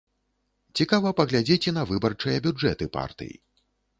Цікава паглядзець і на выбарчыя бюджэты партый.